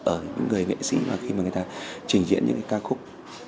ở những người nghệ sĩ mà khi mà người ta trình diễn những cái ca khúc